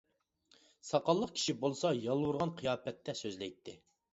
ساقاللىق كىشى بولسا يالۋۇرغان قىياپەتتە سۆزلەيتتى.